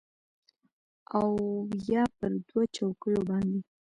او یا پر دوو چوکیو باندې